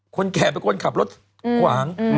คนแกเป็นคนขับรถกวาง